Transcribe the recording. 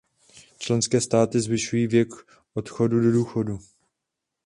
Členské státy zvyšují věk odchodu do důchodu.